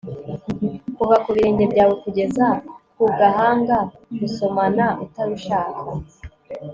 kuva ku birenge byawe kugeza ku gahanga, gusomana utabishaka